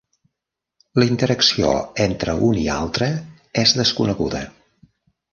La interacció entre un i altre és desconeguda.